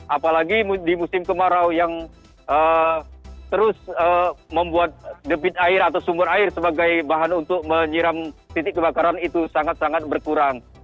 apalagi di musim kemarau yang terus membuat debit air atau sumber air sebagai bahan untuk menyiram titik kebakaran itu sangat sangat berkurang